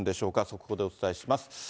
速報でお伝えします。